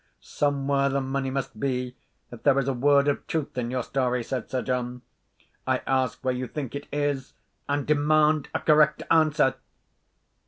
"Somewhere the money must be, if there is a word of truth in your story," said Sir John; "I ask where you think it is and demand a correct answer!"